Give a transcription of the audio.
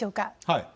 はい。